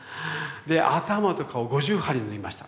で頭と顔を５０針縫いました。